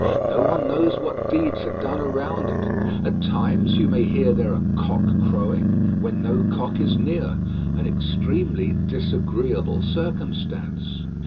No one knows what deeds are done around it. At times you may hear there a cock crowing, when no cock is near an extremely disagreeable circumstance.